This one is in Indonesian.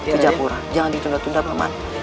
ke jakarta jangan ditunda tunda pak man